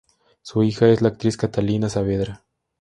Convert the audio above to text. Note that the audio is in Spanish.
Su hija es la actriz Catalina Saavedra.